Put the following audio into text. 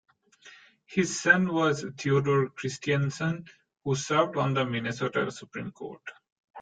His son was Theodore Christianson who served on the Minnesota Supreme Court.